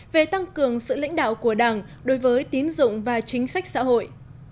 về tăng cường sự lãnh đạo của đảng đối với tín dụng và chính sách xã hội